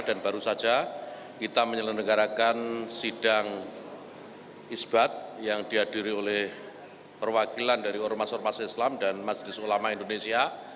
dan baru saja kita menyelenggarakan sidang isbat yang dihadiri oleh perwakilan dari ormas ormas islam dan masjid ulama indonesia